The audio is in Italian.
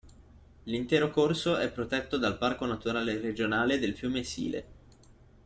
L'intero corso è protetto dal Parco naturale regionale del Fiume Sile.